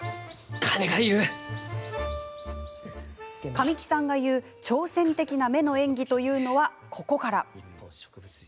神木さんが言う、挑戦的な目の演技というのは、ここから。